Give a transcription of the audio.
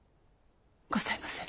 ございませぬ。